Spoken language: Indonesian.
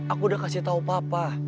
aku udah kasih tau papa